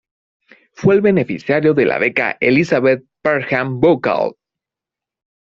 Fue el beneficiaria de la Beca "Elizabeth Parham Vocal".